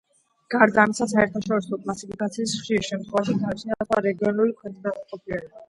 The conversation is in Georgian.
გარდა ამისა, საერთაშორისო კლასიფიკაციას ხშირ შემთხვევაში გააჩნია სხვა რეგიონული ქვედანაყოფები.